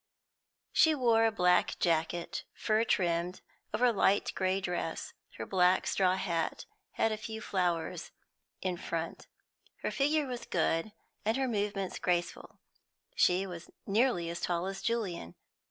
She wore a black jacket, fur trimmed, over a light grey dress; her black straw hat had a few flowers in front. Her figure was good and her movements graceful; she was nearly as tall as Julian.